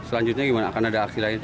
selanjutnya gimana akan ada aksi lain